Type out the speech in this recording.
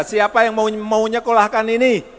siapa yang mau nyekolahkan ini